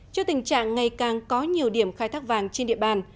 trước tình trạng ngày càng có nhiều điểm khai thác vàng trên địa bàn